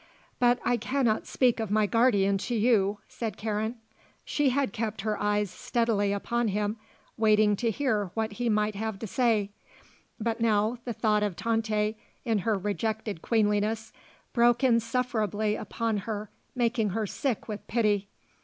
"But I cannot speak of my guardian to you," said Karen. She had kept her eyes steadily upon him waiting to hear what he might have to say, but now the thought of Tante in her rejected queenliness broke insufferably upon her making her sick with pity.